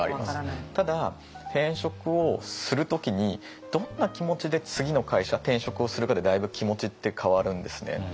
ただ転職をする時にどんな気持ちで次の会社転職をするかでだいぶ気持ちって変わるんですね。